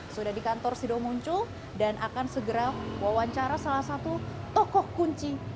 sudah di kantor sido muncul dan akan segera wawancara salah satu tokoh kunci